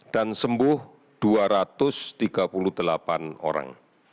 sembuh dua ratus tiga puluh delapan orang